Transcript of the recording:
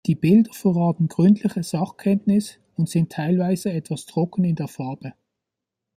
Die Bilder verraten gründliche Sachkenntnis und sind teilweise etwas trocken in der Farbe.